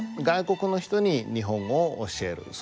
外国の人に日本語を教える。